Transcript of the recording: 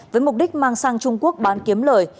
với mục đích mang sang trung quốc bán kiếm lời